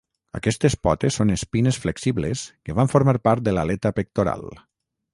Aquestes potes són espines flexibles que van formar part de l'aleta pectoral.